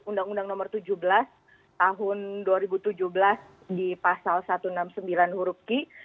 undang undang nomor tujuh belas tahun dua ribu tujuh belas di pasal satu ratus enam puluh sembilan huruf ki